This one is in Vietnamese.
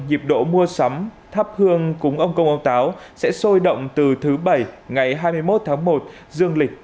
nhịp độ mua sắm thắp hương cúng ông công ông táo sẽ sôi động từ thứ bảy ngày hai mươi một tháng một dương lịch